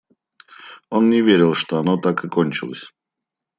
Он не верил, что оно так и кончилось!